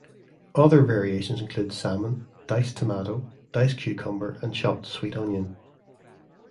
Other variations include salmon, diced tomato, diced cucumber, and chopped sweet onion.